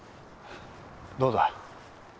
どうだ？